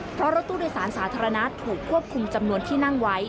เพราะรถตู้โดยสารสาธารณะถูกควบคุมจำนวนที่นั่งไว้